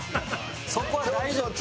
そこは大丈夫。